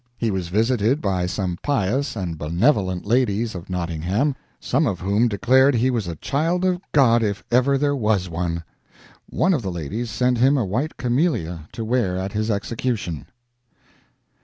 He was visited by some pious and benevolent ladies of Nottingham, some of whom declared he was a child of God, if ever there was one. One of the ladies sent him a white camellia to wear at his execution."